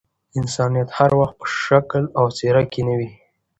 انسانيت هر وخت په شکل او څهره کي نه وي.